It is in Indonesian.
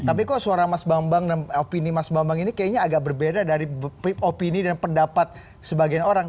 tapi kok suara mas bambang dan opini mas bambang ini kayaknya agak berbeda dari opini dan pendapat sebagian orang